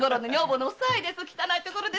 汚いところですが。